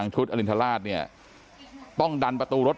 ขอบภาษาเข้าไปครับ